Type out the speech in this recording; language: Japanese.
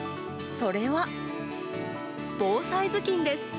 それは、防災頭巾です。